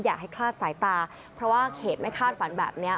อยากให้คลาดสายตาเพราะว่าเขตไม่คาดฝันแบบนี้